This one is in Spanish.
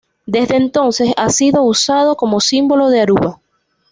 Desde entonces ha sido usado como símbolo de Aruba.